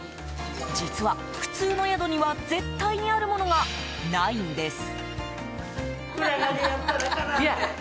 実は、普通の宿には絶対にあるものがないんです。